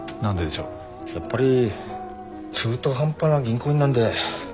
やっぱり中途半端な銀行員なんで。